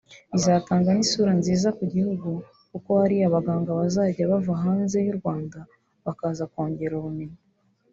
Bizatanga n’isura nziza ku gihugu kuko hari abaganga bazajya bava hanze y’u Rwanda bakaza kongera ubumenyi”